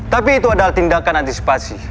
tapi itu adalah tindakan antisipasi